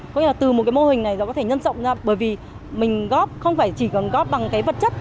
có nghĩa là từ một cái mô hình này nó có thể nhân rộng ra bởi vì mình góp không phải chỉ còn góp bằng cái vật chất